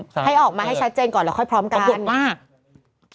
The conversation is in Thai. แต่ปลูกมาถ้าไปขายก็ไม่ได้